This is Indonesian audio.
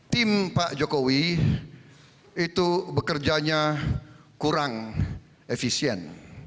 tim pak jokowi itu bekerjanya kurang efisien